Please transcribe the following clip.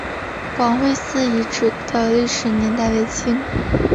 广惠寺遗址的历史年代为清。